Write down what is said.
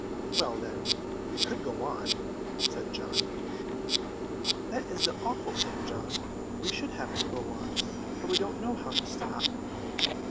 "Well, then, we could go on," said John. "That is the awful thing, John. We should have to go on, for we don't know how to stop."